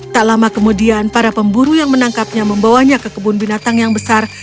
tak lama kemudian para pemburu yang menangkapnya membawanya ke kebun binatang yang besar